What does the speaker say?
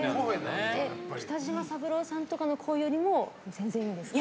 北島三郎さんとかの声よりも全然いいんですか？